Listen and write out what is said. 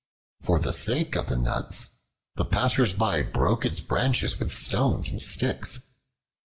For the sake of the nuts, the passers by broke its branches with stones and sticks.